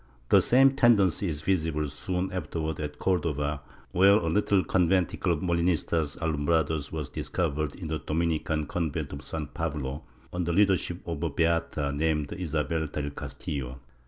^ The same tendency is visible soon afterwards at Cordova, where a little conventicle of Molinistas aJmnhrados was discovered in the Dominican convent of San Pablo, under the leadership of a beata named Isabel del Castillo.